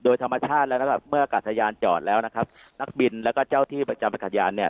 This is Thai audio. โดยธรรมชาติแล้วก็เมื่ออากาศยานจอดแล้วนะครับนักบินแล้วก็เจ้าที่ประจำอากาศยานเนี่ย